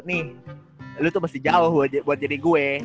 nih lu tuh masih jauh buat jadi gue